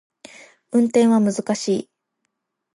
運転は難しい